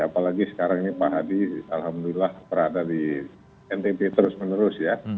apalagi sekarang ini pak hadi alhamdulillah berada di ntb terus menerus ya